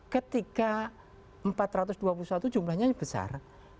ketika empat ratus dua puluh satu jumlahnya besar